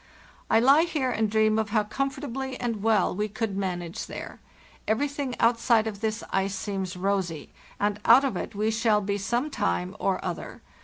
I lie here and dream of how comfortably and well we could manage there. Everything outside of this ice seems rosy, and out of it we shall be some time or other.